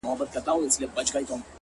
o سیاه پوسي ده، دا دی لا خاندي،